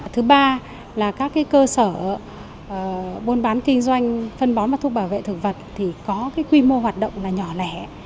thứ ba là các cơ sở buôn bán kinh doanh phân bón và thuốc bảo vệ thực vật thì có cái quy mô hoạt động nhỏ lẻ